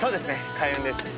開運です。